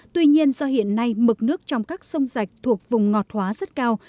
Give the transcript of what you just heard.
tuy nhiên do hiện nay mực nước trong các sông rạch thuộc vùng ngọt hóa rất cao